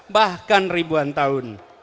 bahkan ribuan tahun